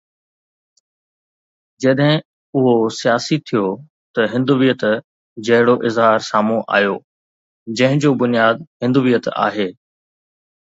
جڏهن اهو سياسي ٿيو ته هندويت جهڙو اظهار سامهون آيو، جنهن جو بنياد هندويت آهي.